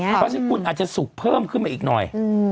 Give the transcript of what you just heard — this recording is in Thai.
เพราะฉะนั้นคุณอาจจะสุกเพิ่มขึ้นมาอีกหน่อย